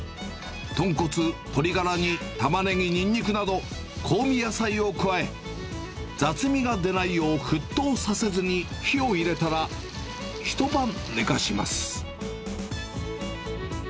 豚骨、鶏がらにたまねぎ、にんにくなど、香味野菜を加え、雑味が出ないよう沸騰させずに火を入れたら、一晩寝かします。